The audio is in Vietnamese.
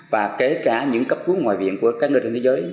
và kể cả những cấp cứu ngoại viện của các nước trên thế giới